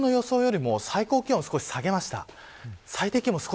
昨日の予想よりも最高気温を下げました。